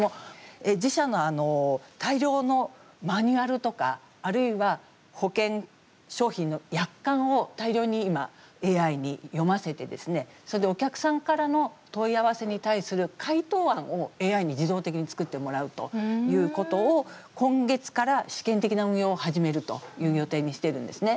自社の大量のマニュアルとかあるいは保険商品の約款を大量に今ＡＩに読ませてそれでお客さんからの問い合わせに対する回答案をＡＩに自動的に作ってもらうということを今月から試験的な運用を始めるという予定にしてるんですね。